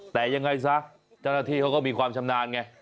แต่ยังไงซะเจ้าหน้าที่เขาก็มีความชำนาญไง